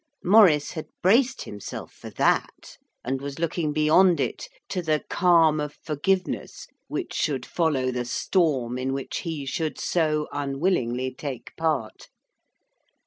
Maurice had braced himself for that, and was looking beyond it to the calm of forgiveness which should follow the storm in which he should so unwillingly take part.